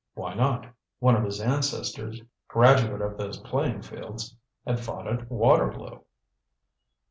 Why not? One of his ancestors, graduate of those playing fields, had fought at Waterloo.